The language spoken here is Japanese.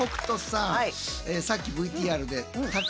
さっきＶＴＲでタコ